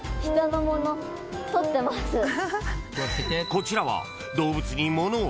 ［こちらは］